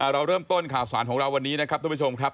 เราเริ่มต้นข่าวสารของเราวันนี้นะครับทุกผู้ชมครับ